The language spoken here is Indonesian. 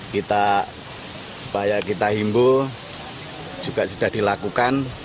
kita upaya kita himbu juga sudah dilakukan